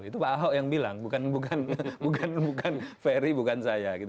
itu pak ahok yang bilang bukan ferry bukan saya gitu